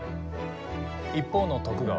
一方の徳川。